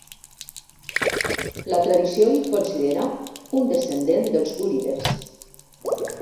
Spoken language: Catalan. La tradició el considera un descendent dels gúrides.